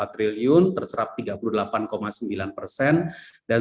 empat triliun terserap tiga puluh delapan sembilan persen dan